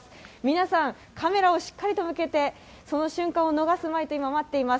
皆さんカメラをしっかりと向けてその瞬間を逃すまいと今、待っています。